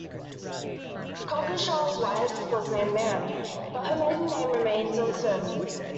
Coggeshall's wife was named Mary, but her maiden name remains uncertain.